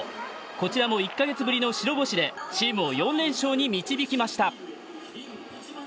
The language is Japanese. こちらも１か月ぶりの白星でチームを４連勝に導きました。